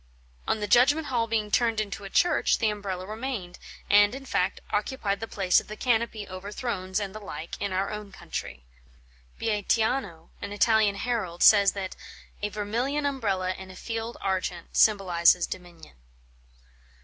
On the judgment hall being turned into a church, the Umbrella remained, and in fact occupied the place of the canopy over thrones and the like in our own country. Beatiano, an Italian herald, says that "a vermilion Umbrella in a field argent symbolises dominion."